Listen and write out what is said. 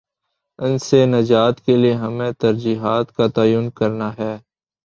ان سے نجات کے لیے ہمیں ترجیحات کا تعین کرنا ہے۔